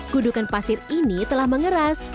gudukan pasir ini telah mengeras